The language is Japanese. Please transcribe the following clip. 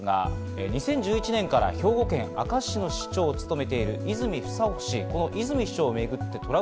２０１１年から兵庫県明石市の市長を務めている泉房穂氏。